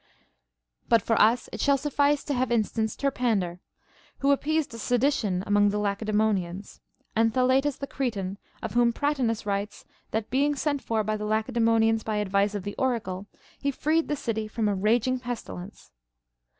But for us it shall suffice to have instanced Terpander, who appeased a sedition among the Lacedaemonians, and Thaletas the Cre tan, of whom Pratinas writes that, being sent for by the Lacedaemonians by advice of the oracle, he freed the city from a raging pestilence.